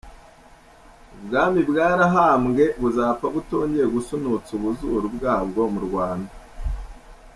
Ubwami bwarahambwe buzapfa butongeye gusunutsa ubuzuru bwabwo mu Rwanda